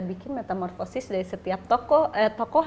bikin metamorfosis dari setiap tokoh